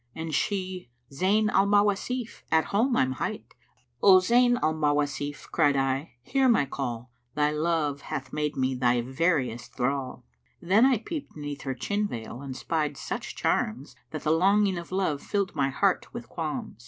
And she, 'Zayn al Mawásif at home I'm hight!' 'O Zayn al Mawasif!' (cried I) 'Hear my call: Thy love hath made me thy veriest thrall!' Then I peeped 'neath her chin veil and 'spied such charms That the longing of love filled my heart with qualms.